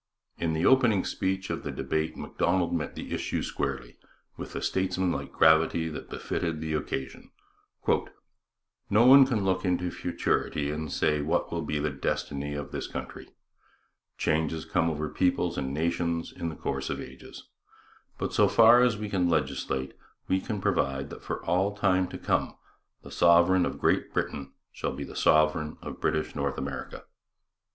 In the opening speech of the debate Macdonald met the issue squarely with the statesmanlike gravity that befitted the occasion: No one can look into futurity and say what will be the destiny of this country. Changes come over peoples and nations in the course of ages. But so far as we can legislate, we provide that for all time to come the sovereign of Great Britain shall be the sovereign of British North America.